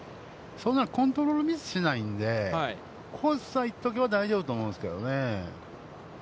そんなコントロールミスをしないんでコースさえ行っておけば大丈夫だと思うんですけれどもね。